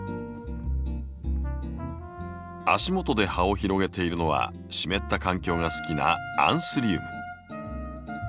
足元で葉を広げているのは湿った環境が好きなアンスリウム。